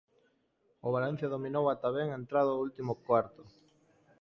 O Valencia dominou ata ben entrado o último cuarto.